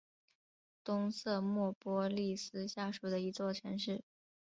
东瑟莫波利斯下属的一座城市。